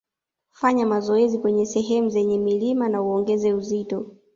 Fanya mazoezi kwenye sehemu zenye milima na uongeze uzito